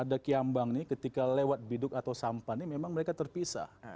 biduk lalu kiambang ketika lewat biduk atau sampan ini memang mereka terpisah